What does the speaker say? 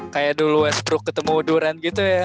kayak dulu spru ketemu duran gitu ya